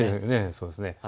そうですね。